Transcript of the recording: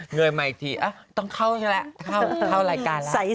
เงยใหม่ทีต้องเข้าแหละเข้ารายการ